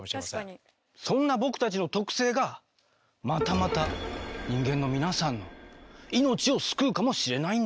そんな僕たちの特性がまたまた人間の皆さんの命を救うかもしれないんだＧ。